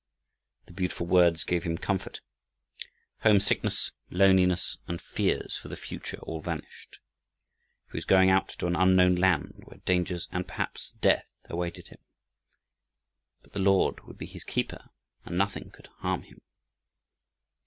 The beautiful words gave him comfort. Homesickness, loneliness, and fears for the future all vanished. He was going out to an unknown land where dangers and perhaps death awaited him, but the Lord would be his keeper and nothing could harm him.